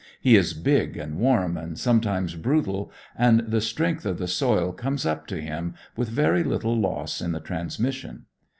He is big and warm and sometimes brutal, and the strength of the soil comes up to him with very little loss in the transmission.